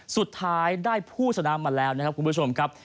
สุดท้ายได้ผู้ชนะมาแล้วนะครับคุณผู้ชมครับ